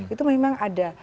itu memang ada